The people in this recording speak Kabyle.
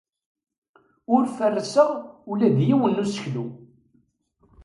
Ur ferrseɣ ula d yiwen n useklu.